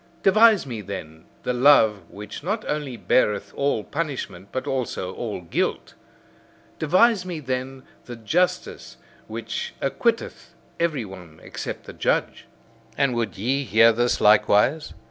Devise me, then, the love which not only beareth all punishment, but also all guilt! Devise me, then, the justice which acquitteth every one except the judge! And would ye hear this likewise?